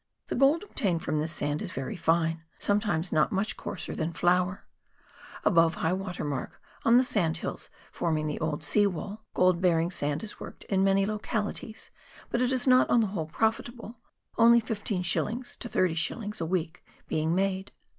The gold obtained from this sand is very fine, sometimes not much coarser than flour. Above high water mark, on the sandhills forming the old sea w^all, gold bearing sand is worked in many localities, but is not on the whole profitable, only 15s. to 30s. a week being made.